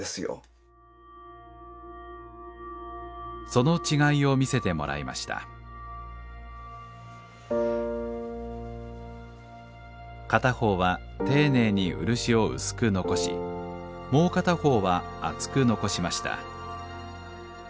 その違いを見せてもらいました片方は丁寧に漆を薄く残しもう片方は厚く残しました